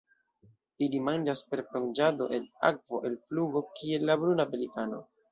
Ili manĝas per plonĝado al akvo el flugo, kiel la Bruna pelikano.